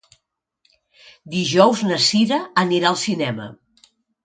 Dijous na Cira anirà al cinema.